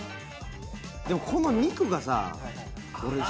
でもこの肉がさ俺。